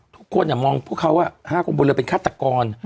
ทุกคนมองพวกเขา๕คนบนเรือเป็นฆาตกร